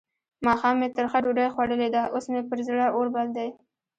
ماښام مې ترخه ډوډۍ خوړلې ده؛ اوس مې پر زړه اور بل دی.